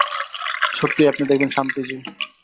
সত্যিই, আপনি দেখবেন শান্তি জী।